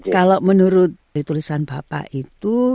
kalau menurut ditulisan bapak itu